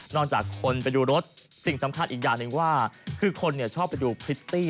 จากคนไปดูรถสิ่งสำคัญอีกอย่างหนึ่งว่าคือคนชอบไปดูพริตตี้